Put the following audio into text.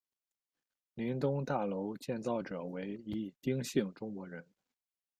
林东大楼建造者为一丁姓中国人。